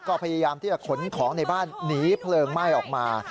ก็พยายามที่จะขนของในบ้านหนีเพลิงไหม้ออกมา